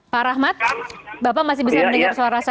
pak rahmat bapak masih bisa mendengar suara saya